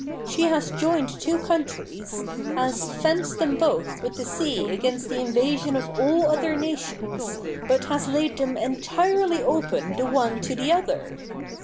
She has joined the two countries, has fenced them both with the sea against the invasion of all other nations, but has laid them entirely open the one to the other.